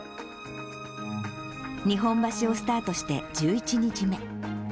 日本橋をスタートして１１日目。